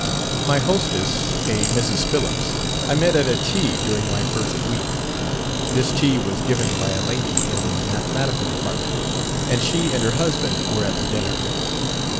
"My hostess, a Mrs. Phillips, I met at a tea during my first week. This tea was given by a lady in the mathematical department, and she and her husband were at the dinner.